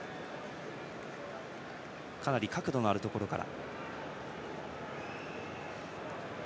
かなり角度のあるところから。